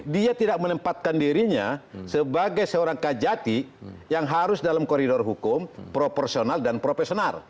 dia tidak menempatkan dirinya sebagai seorang kajati yang harus dalam koridor hukum proporsional dan profesional